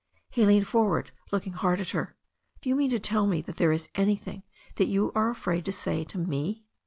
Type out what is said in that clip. He leaned for ward, looking hard at her. "Do you mean to tell me that there is anything that you are afraid to say to me?"